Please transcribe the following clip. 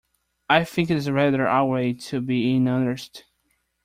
I think it is rather our way to be in earnest.